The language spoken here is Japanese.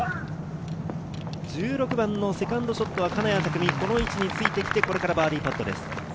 １６番のセカンドショットは金谷拓実、この位置につけてきて、これからバーディーパットです。